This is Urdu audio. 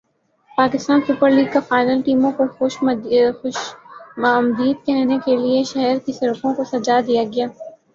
پاکستان سپر لیگ کا فائنل ٹیموں کو خوش مدید کہنے کے لئے شہر کی سڑکوں کوسجا دیا گیا